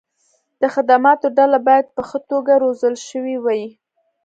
د خدماتو ډله باید په ښه توګه روزل شوې وي.